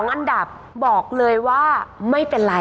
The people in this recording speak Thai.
อันดับบอกเลยว่าไม่เป็นไร